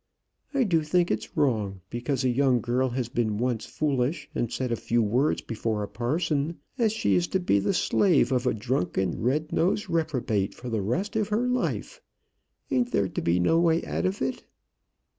I do think it's wrong, because a young girl has been once foolish and said a few words before a parson, as she is to be the slave of a drunken red nosed reprobate for the rest of her life. Ain't there to be no way out of it?"